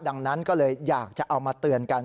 ดังนั้นก็เลยอยากจะเอามาเตือนกัน